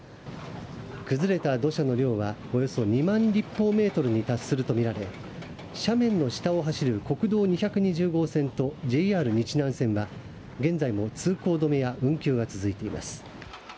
崩れた土砂の量は、およそ２万立方メートルに達するとみられ斜面の下を走る国道２２０号線とＪＲ日南線は現在も通行止めや運休が続いてます。